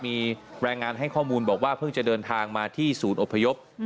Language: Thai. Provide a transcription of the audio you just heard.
มีแรงงานให้ข้อมูลบอกว่าเพิ่งจะเดินทางมาที่ศูนย์อพยพ